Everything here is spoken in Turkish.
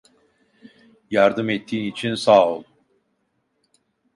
Yardım ettiğin için sağ ol.